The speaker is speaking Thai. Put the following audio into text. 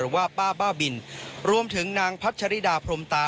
ว่าป้าบ้าบินรวมถึงนางพัชริดาพรมตา